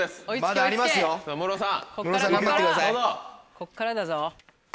こっからだぞ。